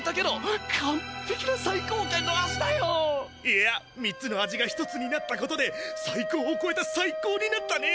いや３つの味が一つになったことでサイコーをこえたサイコーになったね！